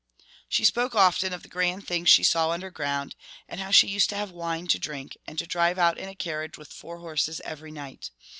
She spoke often of the grand things she saw underground, and how she used to have wine to drink, and to drive out in a carriage with four horses every night.